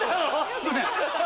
すいません。